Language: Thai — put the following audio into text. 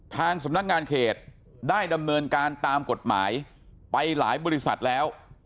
ทางสำนักงานเขตได้ดำเนินการตามกฎหมายไปหลายบริษัทแล้ว